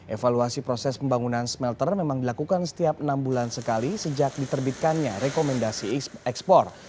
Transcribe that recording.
evaluasi proses pembangunan smelter memang dilakukan setiap enam bulan sekali sejak diterbitkannya rekomendasi ekspor